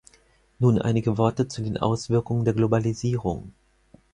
Nun einige Worte zu den Auswirkungen der Globalisierung.